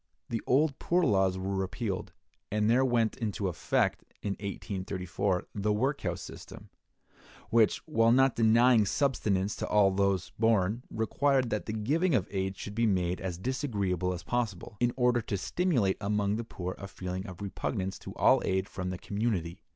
(173) The old poor laws were repealed, and there went into effect in 1834 the workhouse system, which, while not denying subsistence to all those born, required that the giving of aid should be made as disagreeable as possible, in order to stimulate among the poor a feeling of repugnance to all aid from the community.